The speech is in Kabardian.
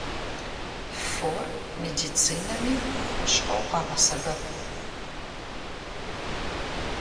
Фор медицинэми хущхъуэу къагъэсэбэп.